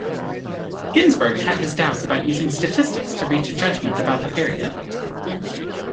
Ginzburg had his doubts about using statistics to reach a judgment about the period.